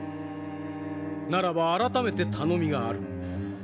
ならば改めて頼みがある。